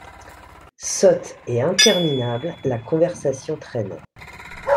Sotte et interminable, la conversation traînait.